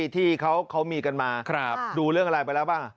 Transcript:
ที่เขามีกันมาดูเรื่องอะไรไปแล้วบ้าง